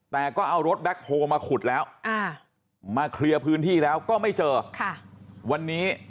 แต่ก็เอารถแบ็คโฮลมาขุดแล้วมาเคลียร์พื้นที่แล้วก็ไม่เจอวันนี้